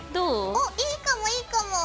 おいいかもいいかも！